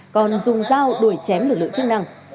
còn dùng dao đuổi chém lực lượng chức năng